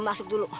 gue masuk dulu